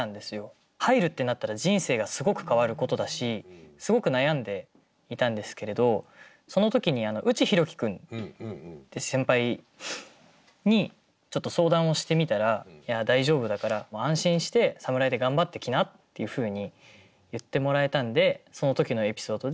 入るってなったら人生がすごく変わることだしすごく悩んでいたんですけれどその時に内博貴君って先輩にちょっと相談をしてみたら「いや大丈夫だからもう安心して侍で頑張ってきな」っていうふうに言ってもらえたんでその時のエピソードで。